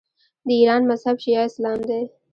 د ایران مذهب شیعه اسلام دی.